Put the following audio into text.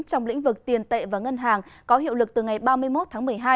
trong lĩnh vực tiền tệ và ngân hàng có hiệu lực từ ngày ba mươi một tháng một mươi hai